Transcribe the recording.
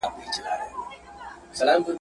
چي یې بیا دی را ایستلی د ګور مړی.